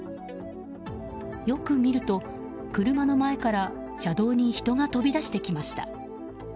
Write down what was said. よく見ると、車の前から車道に人が飛び出してきました。